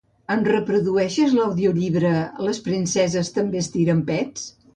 Em reprodueixes l'audiollibre "Les princeses també es tiren pets"?